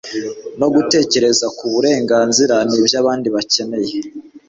no gutekereza ku burenganzira n'ibyo abandi bakeneye